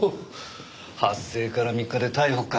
発生から３日で逮捕か。